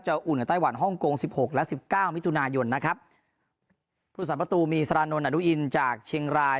อุ่นกับไต้หวันฮ่องกงสิบหกและสิบเก้ามิถุนายนนะครับผู้สามประตูมีสารานนท์อนุอินจากเชียงราย